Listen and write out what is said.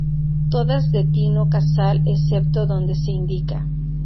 Todas de Tino Casal excepto donde se indica.